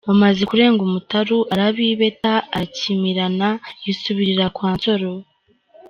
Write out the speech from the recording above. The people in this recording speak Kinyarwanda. Bamaze kurenga umutaru, arabibeta, arakimirana yisubirira kwa Nsoro.